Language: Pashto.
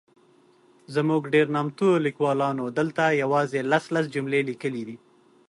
زموږ ډېر نامتو لیکوالانو دلته یوازي لس ،لس جملې لیکلي دي.